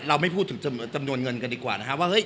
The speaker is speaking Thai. เราไม่พูดถึงจำนวนเงินกันดีกว่านะครับว่า